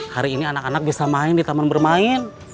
hari ini anak anak bisa main di taman bermain